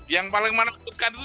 yang paling menekankan itu